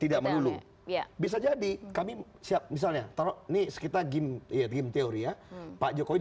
tidak melulu bisa jadi kami siap misalnya taruh nih sekitar game ya game teori ya pak jokowi